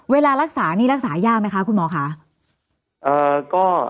เวลารักษานี่รักษายากไหมคะคุณหมอค่ะ